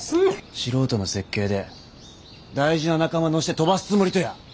素人の設計で大事な仲間乗して飛ばすつもりとや？